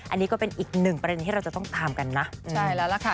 อันนี้ก็เป็นอีกหนึ่งประเด็นที่เราจะต้องตามกันนะใช่แล้วล่ะค่ะ